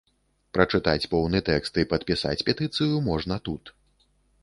Прачытаць поўны тэкст і падпісаць петыцыю можна тут.